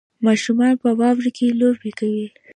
ماشومان په واورو کې لوبې کوي